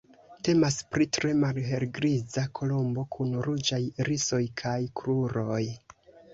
Temas pri tre malhelgriza kolombo kun ruĝaj irisoj kaj kruroj.